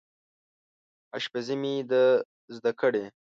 اشپزي مې ده زده کړې